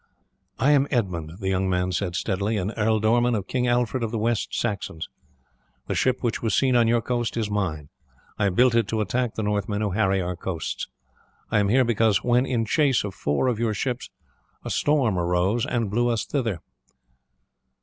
"I am Edmund," the young man said steadily, "an ealdorman of King Alfred of the West Saxons. The ship which was seen on your coast is mine; I built it to attack the Northmen who harry our coasts. I am here because, when in chase of four of your ships, a storm arose and blew us hither."